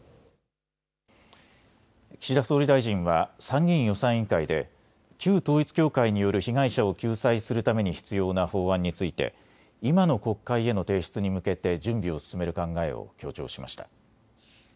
岸田総理大臣は参議院予算委員会で旧統一教会による被害者を救済するために必要な法案について今の国会への提出に向けて準備を進める考えを強調しました。